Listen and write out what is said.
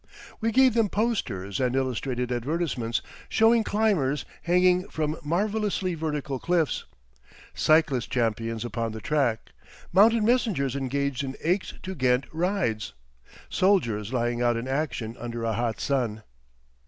We gave them posters and illustrated advertisements showing climbers hanging from marvelously vertical cliffs, cyclist champions upon the track, mounted messengers engaged in Aix to Ghent rides, soldiers lying out in action under a hot sun.